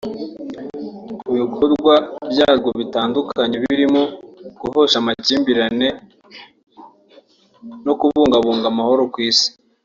mu bikorwa byarwo bitandukanye birimo guhosha amakimbirane no kubungabunga amahoro ku isi